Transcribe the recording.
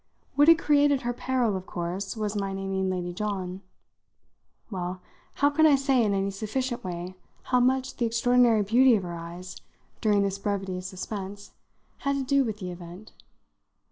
What had created her peril, of course, was my naming Lady John. Well, how can I say in any sufficient way how much the extraordinary beauty of her eyes during this brevity of suspense had to do with the event?